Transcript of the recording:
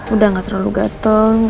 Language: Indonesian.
udah gak terlalu gatel